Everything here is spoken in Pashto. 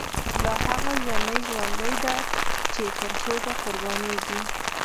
لا هغه ژڼۍ ژوندۍ دی، چی تر هوډه قربانیږی